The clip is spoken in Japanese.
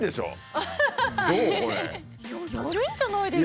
いややるんじゃないですか？